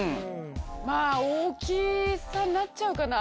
まあ大きさになっちゃうかな。